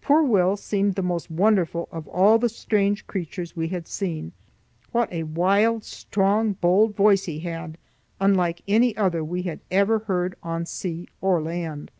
Poor Will seemed the most wonderful of all the strange creatures we had seen. What a wild, strong, bold voice he had, unlike any other we had ever heard on sea or land!